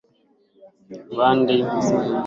Bendi hiyo iliingia kwenye mkataba na kampuni ya